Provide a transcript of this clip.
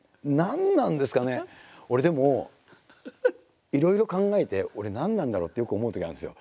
俺でもいろいろ考えて俺何なんだろう？ってよく思うときあるんですよ。